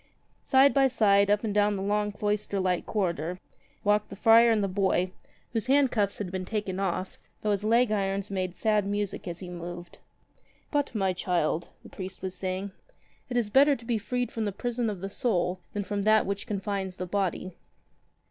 Side by side, up and down the long cloister like corridor, walked the friar and the boy — whose handcuffs had been taken off, though his leg irons made sad music as he moved. "But, my child," the priest was saying, "it is better to be freed from the prison of the soul than from that which only confines the body."